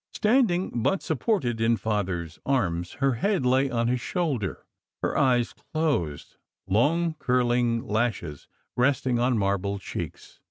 Standing, but supported in Father s arms, her head lay on his shoulder, her eyes closed, long curling lashes resting on marble cheeks.